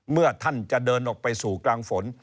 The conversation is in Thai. เมื่อท่านจะเดินออกไปสู่กลางฝน